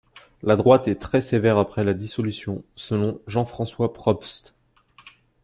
La droite est très sévère après la dissolution, selon Jean-François Probst.